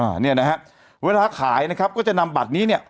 อ่าเนี่ยนะฮะเวลาขายนะครับก็จะนำบัตรนี้เนี่ย